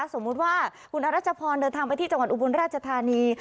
สมมุติว่าคุณอรัชพรเดินทางไปที่จังหวัดอุบลราชธานี